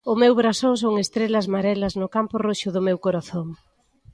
O meu brasón son estrelas marelas no campo roxo do meu corazón.